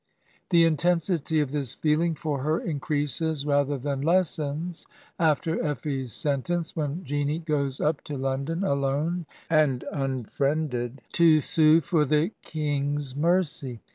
The intensity of this feehng for her increases rather than lessens after Effie's sentence, when Jeanie goes up to London, alone and unfriended, to sue for the King's mercy.